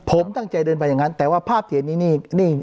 ผมตั้งใจเดินไปอย่างนั้นแต่ว่าภาพเถียนนี้นี่